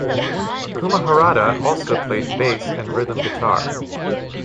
Kuma Harada also played bass and rhythm guitar.